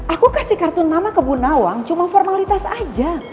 aku kasih kartu nama ke bu nawang cuma formalitas aja